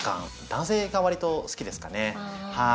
男性がわりと好きですかね。